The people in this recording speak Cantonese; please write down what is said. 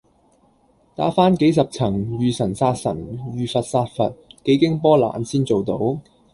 打番幾十層遇神殺神、遇佛殺佛，幾經波瀾先做到